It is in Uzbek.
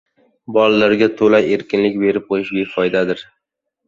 – bolalarga to‘la erkinlik berib qo‘yish befoydadir.